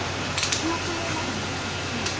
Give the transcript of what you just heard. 記憶もまだ戻ってませんよね？